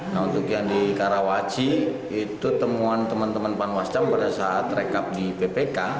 nah untuk yang di karawaci itu temuan teman teman panwascam pada saat rekap di ppk